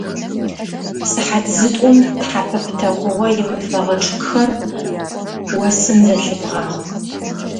Сыхьат зытӏум тхьэпэ пытэкъугъо имыфэгъэ чъыгхэр осым зэлъибгъагъэ.